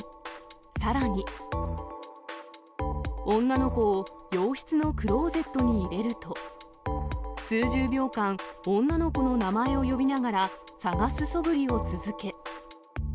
さらに、女の子を洋室のクローゼットに入れると、数十秒間、女の子の名前を呼びながら、探すそぶりを続け。